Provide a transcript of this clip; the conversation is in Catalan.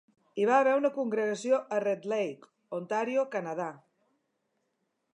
Hi va haver una congregació a Red Lake, Ontario, Canadà.